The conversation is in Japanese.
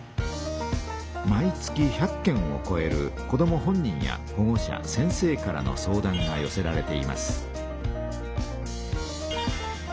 毎月１００件をこえる子ども本人やほご者先生からの相談がよせられています。